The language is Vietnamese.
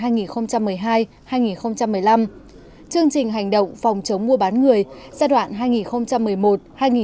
giai đoạn hai nghìn một mươi hai hai nghìn một mươi năm chương trình hành động phòng chống mua bán người giai đoạn hai nghìn một mươi một hai nghìn một mươi năm